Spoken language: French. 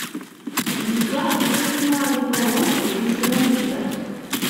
L'histoire est relativement indépendante des précédents épisodes.